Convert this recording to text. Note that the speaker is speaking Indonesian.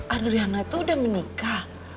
adriana itu udah menikah